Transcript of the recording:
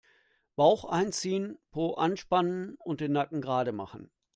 Bauch einziehen, Po anspannen und den Nacken gerade machen.